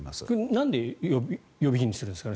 なんで予備費にするんですか？